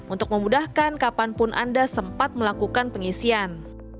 untuk memudahkan kapanpun anda sempat melakukan pengisian